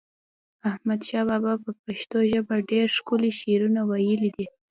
احمد شاه بابا په پښتو ژپه ډیر ښکلی شعرونه وایلی دی